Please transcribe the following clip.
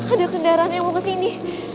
ada kendaraan yang mau kesini